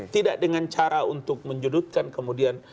tidak dengan cara untuk menjudutkan kemudian